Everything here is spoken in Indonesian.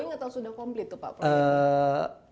on going atau sudah komplit tuh pak